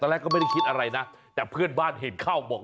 แรกก็ไม่ได้คิดอะไรนะแต่เพื่อนบ้านเห็นเข้าบอก